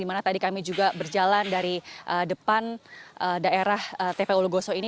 di mana tadi kami juga berjalan dari depan daerah tpu legoso ini